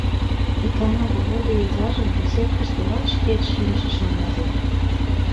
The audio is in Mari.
Икана Володя изажым беседкыште лач шкет шинчышым ужын.